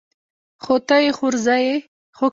خو ته يې خورزه يې.